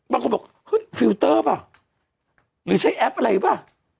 บางคนบอกฮึฟิลเตอร์ป่ะหรือใช้แอปอะไรป่ะ